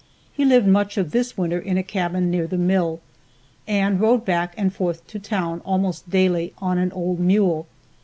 He lived much of this winter in a cabin near the mill, and rode back and forth to town almost daily on an old mule.